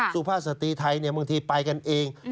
สุภาพสตรีไทยบางทีไปกันเอง